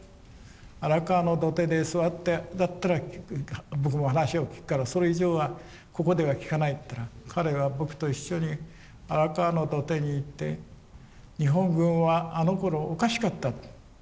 荒川の土手で座ってだったら僕も話を聞くからそれ以上はここでは聞かないって言ったら彼は僕と一緒に荒川の土手に行って日本軍はあのころおかしかったと。